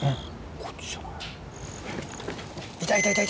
こっちじゃない？